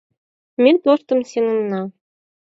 Ме тоштым сеҥена